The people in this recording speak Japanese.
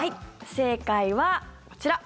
正解はこちら。